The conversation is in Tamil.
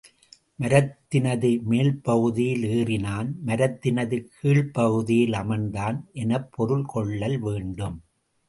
மரத்தினது மேல்பகுதியில் ஏறினான் மரத்தினது கீழ்ப்பகுதியில் அமர்ந்தான் எனப் பொருள் கொள்ளல் வேண்டும்.